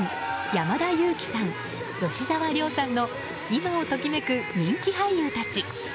山田裕貴さん、吉沢亮さんの今を時めく人気俳優たち。